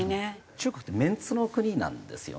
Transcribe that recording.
中国ってメンツの国なんですよね。